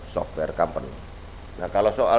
software company nah kalau soal